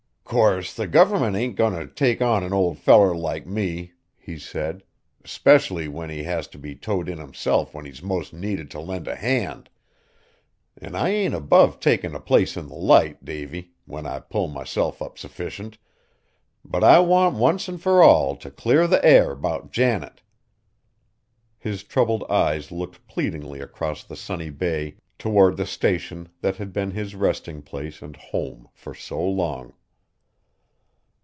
"'Course the government ain't goin' t' take on an old feller like me," he said, "'specially when he has t' be towed in himself when he's most needed t' lend a hand; an' I ain't above takin' a place in the Light, Davy, when I pull myself up sufficient, but I want once an' fur all t' clar the air 'bout Janet." His troubled eyes looked pleadingly across the sunny bay toward the Station that had been his resting place and home for so long.